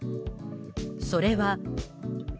それは。